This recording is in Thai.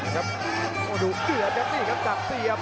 ครับโอ้โหดูเกลือดนะนี่ครับดังเสียบ